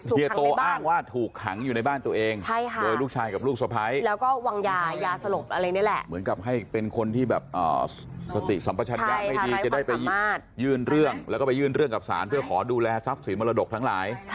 ซึ่งมาเลือดเรื่องแล้วก็ไปยื่นเรื่องกับสารเพื่อขอดูแลทรัพย์สินมรดกทั้งหลาย